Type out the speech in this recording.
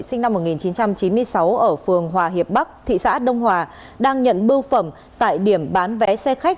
sinh năm một nghìn chín trăm chín mươi sáu ở phường hòa hiệp bắc thị xã đông hòa đang nhận bưu phẩm tại điểm bán vé xe khách